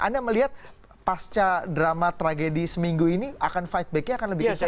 anda melihat pasca drama tragedi seminggu ini akan fight back nya akan lebih kencang